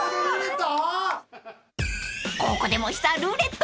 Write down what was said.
［ここでもしツアルーレット］